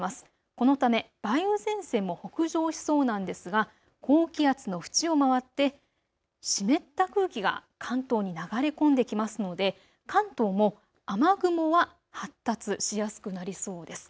このため梅雨前線も北上しそうなんですが高気圧の縁を回って湿った空気が関東に流れ込んできますので関東も雨雲は発達しやすくなりそうです。